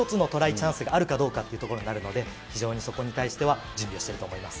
チャンスがあるかどうかっていうところになるので、非常にそこに対しては、準備をしていると思います。